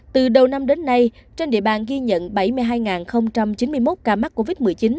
từ đầu năm đến nay trên địa bàn ghi nhận bảy mươi hai chín mươi một ca mắc covid một mươi chín